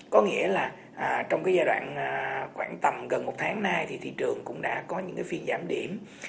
có nghĩa là trong cái giai đoạn khoảng tầm gần một tháng nay thì thị trường cũng đã có những phiên giảm điểm